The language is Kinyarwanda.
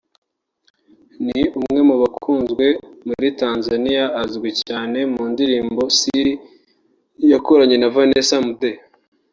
ni umwe mu bakunzwe muri Tanzania azwi cyane mu ndirimbo “Siri” yakoranye na Vanessa Mdee